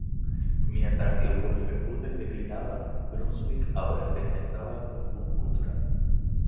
Mientras que Wolfenbüttel declinaba, Brunswick ahora experimentaba un boom cultural.